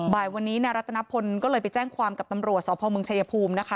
บ่ายวันนี้นายรัตนพลก็เลยไปแจ้งความกับตำรวจสพเมืองชายภูมินะคะ